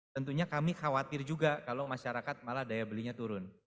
tentunya kami khawatir juga kalau masyarakat malah daya belinya turun